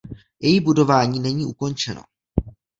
Její budování není ukončeno.